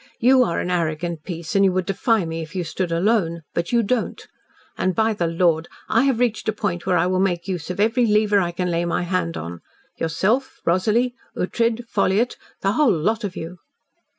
You are an arrogant piece and you would defy me if you stood alone, but you don't, and, by the Lord! I have reached a point where I will make use of every lever I can lay my hand on yourself, Rosalie, Ughtred, Ffolliott the whole lot of you!"